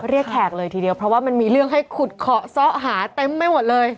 แขกเลยทีเดียวเพราะว่ามันมีเรื่องให้ขุดเคาะซ้อหาเต็มไม่หมดเลย